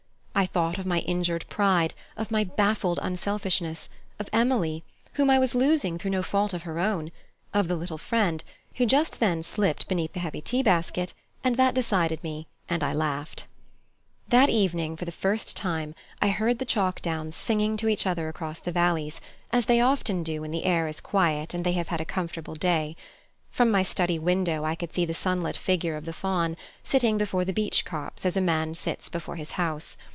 I thought of my injured pride, of my baffled unselfishness, of Emily, whom I was losing through no fault of her own, of the little friend, who just then slipped beneath the heavy tea basket, and that decided me, and I laughed. That evening, for the first time, I heard the chalk downs singing to each other across the valleys, as they often do when the air is quiet and they have had a comfortable day. From my study window I could see the sunlit figure of the Faun, sitting before the beech copse as a man sits before his house.